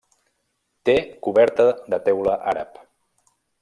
Té coberta de teula àrab.